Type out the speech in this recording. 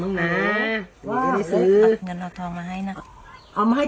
ยังงั้นอย่างงั้นอย่างงั้นอย่างงั้นประโยชน์ฮะสิเราก็